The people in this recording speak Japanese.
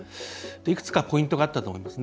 いくつかポイントがあったと思います。